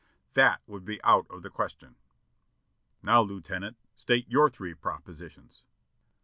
"That would be out of the question." "Now, Lieutenant, state your three propositions."